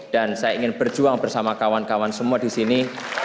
dan saya ingin berjuang bersama kawan kawan semua di sini